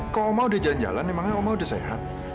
kok oma udah jalan jalan emangnya oma udah sehat